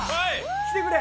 きてくれ！